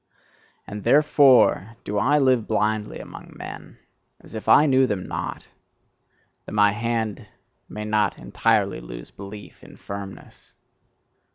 And THEREFORE do I live blindly among men, as if I knew them not: that my hand may not entirely lose belief in firmness.